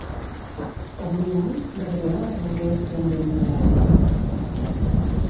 Com un llamp, Gabriel aparegué esplendent de glòria.